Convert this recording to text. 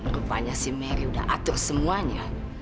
rupanya si mary udah atur semuanya